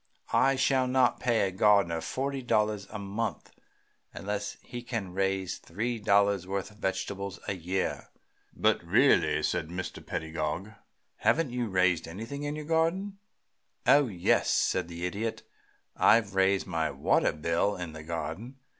I shall not pay a gardener forty dollars a month unless he can raise three dollars' worth of vegetables a year." "But really," said Mr. Pedagog, "haven't you raised anything in your garden?" "Oh yes," said the Idiot. "I've raised my water bill in the garden.